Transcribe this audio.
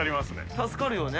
助かるよね？